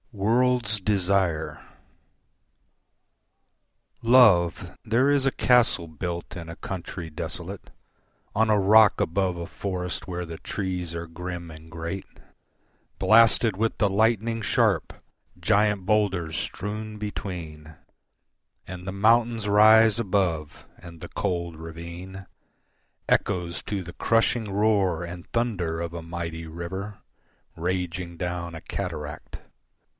World's Desire Love, there is a castle built in a country desolate, On a rock above a forest where the trees are grim and great, Blasted with the lightning sharp giant boulders strewn between, And the mountains rise above, and the cold ravine Echoes to the crushing roar and thunder of a mighty river Raging down a cataract.